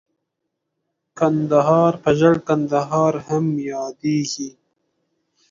کندهار په ژړ کندهار هم ياديږي.